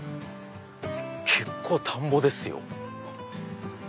結構田んぼですよ。